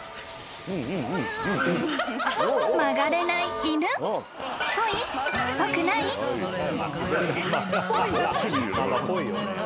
［曲がれない犬］ぽいよね。